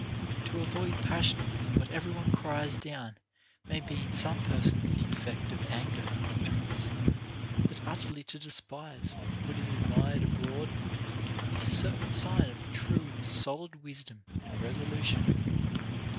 To avoid passionately what every one cries down may be in some persons the effect of anger and ignorance ; but utterly to despise what is admired abroad is a certain sign of true and solid wisdom and resolution.